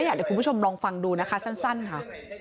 เดี๋ยวคุณผู้ชมลองฟังดูนะคะสั้นค่ะ